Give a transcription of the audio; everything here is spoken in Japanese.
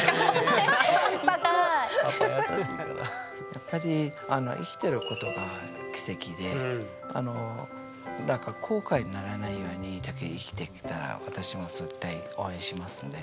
やっぱり生きてることが奇跡でだから後悔にならないようにだけ生きていけたら私も絶対応援しますんで。